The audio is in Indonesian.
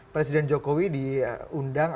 presiden jokowi diundang